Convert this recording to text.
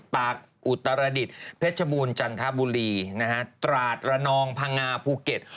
ปากอุตรดิษฐ์เพชบูรณ์จันทรบุรีตราศน์ระนองพังงาภูเก็ต